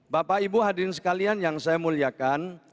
bapak ibu hadirin sekalian yang saya muliakan